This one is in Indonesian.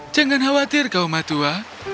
jangan khawatir kaum matua